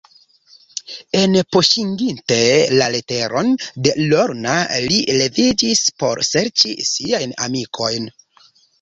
Enpoŝiginte la leteron de Lorna, li leviĝis, por serĉi siajn amikojn.